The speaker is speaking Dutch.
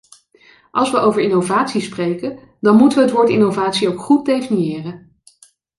Als wij over innovatie spreken, dan moeten we het woord innovatie ook goed definiëren.